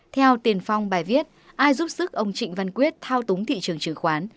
theo tiền phong bài viết ai giúp sức ông trịnh văn quyết thao túng thị trường chứng khoán